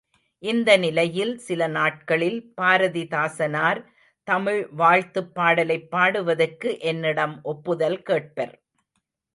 இந்த நிலையில், சில நாட்களில், பாரதிதாசனார் தமிழ் வாழ்த்துப் பாடலைப் பாடுவதற்கு என்னிடம் ஒப்புதல் கேட்பர்.